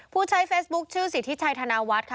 ผู้ใช้เฟซบุ๊คชื่อสิทธิชัยธนวัฒน์ค่ะ